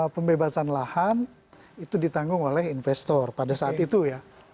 pembebasan lahan itu ditanggung oleh investor pada saat itu ya